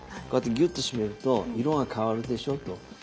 こうやってギュッと締めると色が変わるでしょと。